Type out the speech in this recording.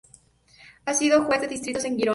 Ha sido juez de distrito en Girona.